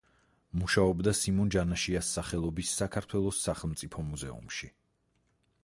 მუშაობდა სიმონ ჯანაშიას სახელობის საქართველოს სახელმწოფო მუზუმში.